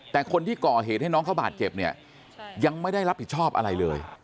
แต่คนที่ก่อเหตุให้น้องเขาบาดเจ็บเนี่ยยังไม่ได้รับผิดชอบอะไรเลย